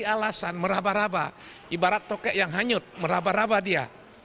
ada alasan meraba raba ibarat tokek yang hanyut meraba raba dia